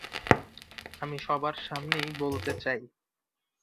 আমি সবার সামনেই বলতে চাই।